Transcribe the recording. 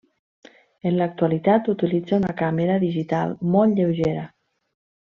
En l'actualitat utilitza una càmera digital molt lleugera.